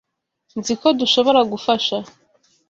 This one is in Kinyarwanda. Nzi ko dushobora gufasha.